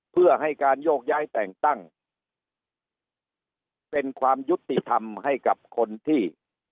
เพื่อให้การโยกย้ายแต่งตั้งเป็นความยุติธรรมให้กับคนที่